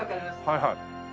はいはい。